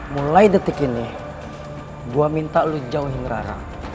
mulai detik ini gue minta lo jauhin rara